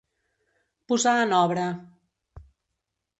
Posar en obra.